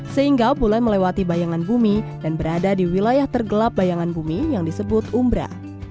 sehingga bule melewati bayangan bumi dan berada di wilayah tergelap bayangan bumi yang disebut umbra